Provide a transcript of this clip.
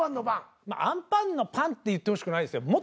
まあアンパンのパンって言ってほしくないですよ。